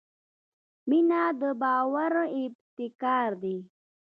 • مینه د باور ابتکار دی.